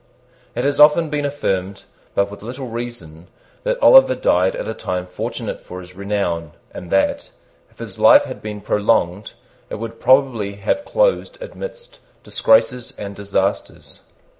It has often been affirmed, but with little reason, that Oliver died at a time fortunate for his renown, and that, if his life had been prolonged, it would probably have closed amidst disgraces and disasters.